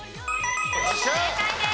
正解です。